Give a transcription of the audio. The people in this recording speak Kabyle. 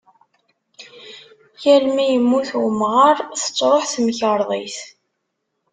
Yal mi yemmut umɣar tettruḥ temkerḍit.